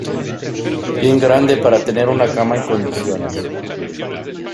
bien grande, para tener una cama en condiciones